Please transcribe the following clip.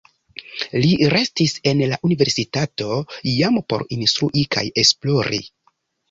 Li restis en la universitato jam por instrui kaj esplori.